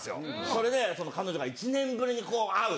それで彼女が１年ぶりに会う。